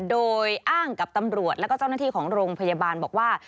โดยอ้างกับตำรวจแล้วก็เจ้าหน้าที่ของโรงพยาบาลบอกว่า